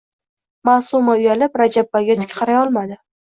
Maʼsuma uyalib, Rajabboyga tik qaray olmadi.